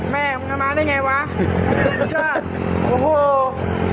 แม่มันมาได้ยังไงวะสุดยอดโอ้โห